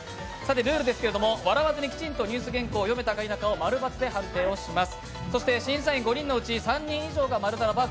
ルールですけれども笑わずにきちんとニュース原稿を読めたか否かを○×で判定します。